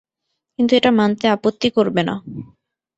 কিন্তু এটা মানতে আপত্তি করবে না।